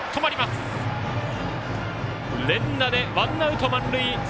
連打でワンアウト、満塁！